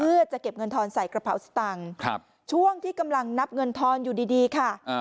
เพื่อจะเก็บเงินทอนใส่กระเป๋าสตังค์ช่วงที่กำลังนับเงินทอนอยู่ดีค่ะ